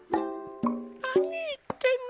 なにいってんの？